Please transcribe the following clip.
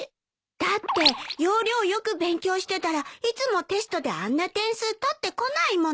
だって要領良く勉強してたらいつもテストであんな点数取ってこないもの。